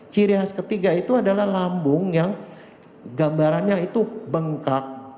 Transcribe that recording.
ciri khas ketiga itu adalah lambung yang gambarannya itu bengkak